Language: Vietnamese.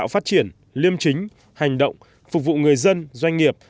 phát triển liêm chính hành động phục vụ người dân doanh nghiệp